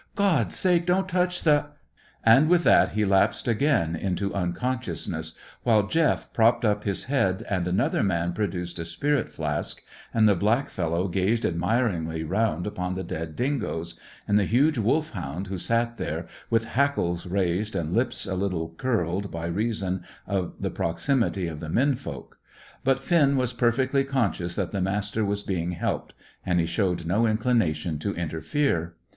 God's sake don't touch the " And with that he lapsed again into unconsciousness, while Jeff propped up his head and another man produced a spirit flask, and the black fellow gazed admiringly round upon the dead dingoes, and the huge Wolfhound who sat there, with hackles raised and lips a little curled by reason of the proximity of the men folk. But Finn was perfectly conscious that the Master was being helped, and he showed no inclination to interfere.